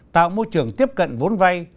tạo môi trường tiếp cận vốn vay